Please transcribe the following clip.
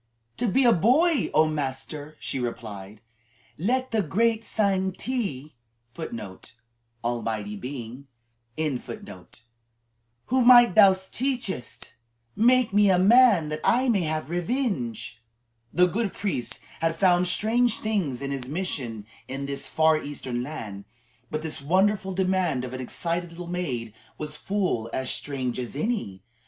"To be a boy, O master!" she replied. "Let the great Shang ti,(1) whose might thou teachest, make me a man that I may have revenge." (1) Almighty Being. The good priest had found strange things in his mission work in this far Eastern land, but this wrathful demand of an excited little maid was full as strange as any.